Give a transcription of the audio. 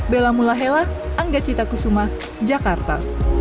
bella mulahela angga cita kusuma jakarta